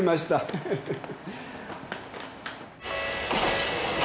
フフフフ。